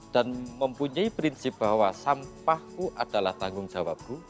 mempunyai prinsip bahwa sampahku adalah tanggung jawabku